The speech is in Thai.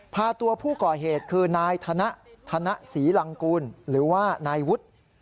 พาตัวผู้ก่อเหตุคือนายธนธนศรีลังกูลหรือว่านายวุฒิ